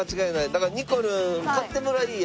だからにこるん買ってもらいや。